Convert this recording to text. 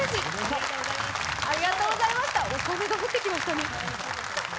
お金が降ってきましたね。